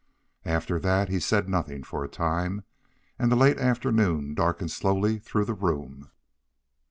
After that he said nothing for a time, and the late afternoon darkened slowly through the room.